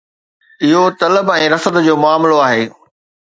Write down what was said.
اهو طلب ۽ رسد جو معاملو آهي.